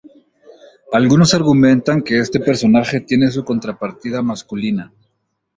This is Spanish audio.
Algunos argumentan que este personaje tiene su contrapartida masculina.